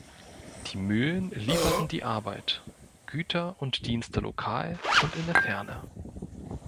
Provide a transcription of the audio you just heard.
Die Mühlen lieferten die Arbeit, Güter und Dienste lokal und in der Ferne.